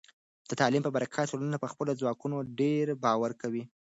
د تعلیم په برکت، ټولنه په خپلو ځواکونو ډیر باور کوي.